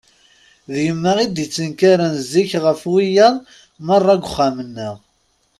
D yemma i d-ittenkaren zik ɣef wiyaḍ merra uxxam-nneɣ.